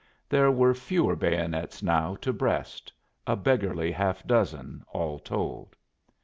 There were fewer bayonets now to breast a beggarly half dozen, all told.